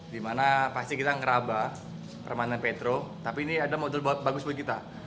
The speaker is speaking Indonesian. di mana pasti kita ngeraba permainan petro tapi ini adalah modul bagus buat kita